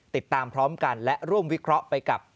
ติดตามพร้อมกันและร่วมวิเคราะห์ไปกับ